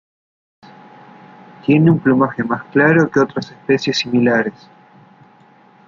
Tiene un plumaje más claro que otras especies similares.